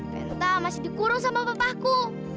penta masih dikurung sama papaku